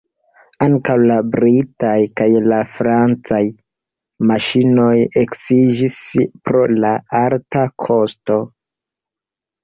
Ankaŭ la britaj kaj la francaj maŝinoj eksiĝis pro la alta kosto.